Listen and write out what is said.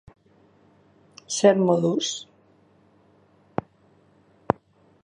Denon artean konponduko dugu.